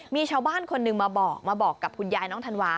มีชาวบ้านคนหนึ่งมาบอกมาบอกกับคุณยายน้องธันวา